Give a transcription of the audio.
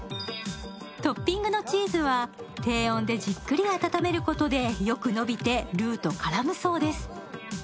トッピングのチーズは、低温でじっくり温めることで、よく伸びて、ルーと絡むそうです。